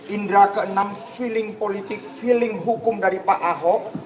indra ke enam feeling politik feeling hukum dari pak ahok